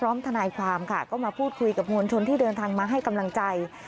ทนายความค่ะก็มาพูดคุยกับมวลชนที่เดินทางมาให้กำลังใจ